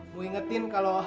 mau ingetin kalo